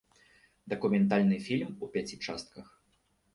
Дакументальны фільм у пяці частках.